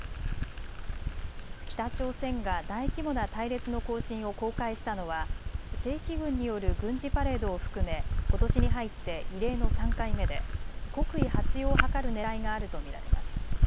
北朝鮮が大規模な隊列の行進を公開したのは正規軍による軍事パレードを含め、ことしに入って異例の３回目で国威発揚を図るねらいがあると見られます。